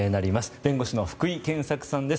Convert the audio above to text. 弁護士の福井健策さんです。